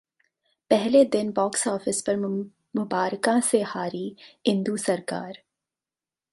पहले दिन बॉक्स-ऑफिस पर मुबारकां से हारी इंदु सरकार